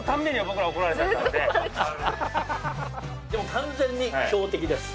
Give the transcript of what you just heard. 完全に強敵です。